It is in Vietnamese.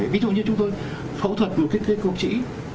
ví dụ như chúng tôi phẫu thuật một cái cột trĩ